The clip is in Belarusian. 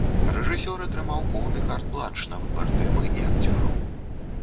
Рэжысёр атрымаў поўны карт-бланш на выбар тэмы і акцёраў.